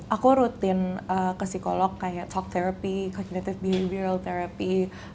aku rutin ke psikolog kayak talk therapy community behavioral therapy